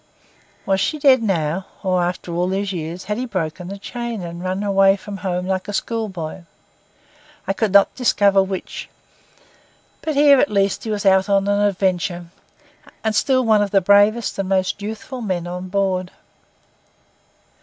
Was she dead now? or, after all these years, had he broken the chain, and run from home like a schoolboy? I could not discover which; but here at least he was out on the adventure, and still one of the bravest and most youthful men on board.